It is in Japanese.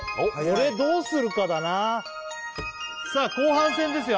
これどうするかだなさあ後半戦ですよ